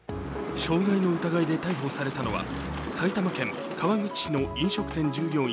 傷害の疑いで逮捕されたのは埼玉県川口市の飲食店従業員